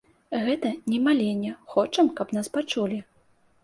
Гэта не маленне, хочам, каб нас пачулі.